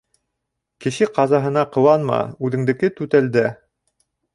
Кеше ҡазаһына ҡыуанма, үҙеңдеке түтәлдә.